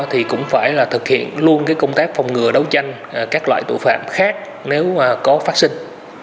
thì cũng phải là thực hiện luôn công tác phòng ngừa đấu tranh các loại tội phạm khác nếu có phát sinh